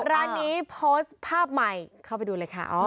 ร้านนี้โพสต์ภาพใหม่เข้าไปดูเลยค่ะ